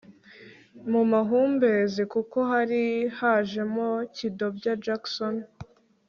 mu mahumbezi kuko hari hajemo kidobya Jackson